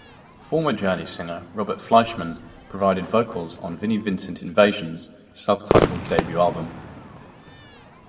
Former Journey singer Robert Fleischman provided vocals on Vinnie Vincent Invasion's self-titled debut album.